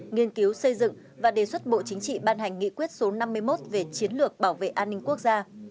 nghiên cứu xây dựng và đề xuất bộ chính trị ban hành nghị quyết số năm mươi một về chiến lược bảo vệ an ninh quốc gia